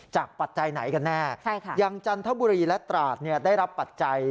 ปัจจัยไหนกันแน่อย่างจันทบุรีและตราดได้รับปัจจัย